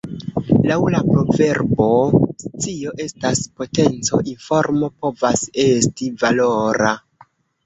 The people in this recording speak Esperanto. Laŭ la proverbo "scio estas potenco" informo povas esti valora.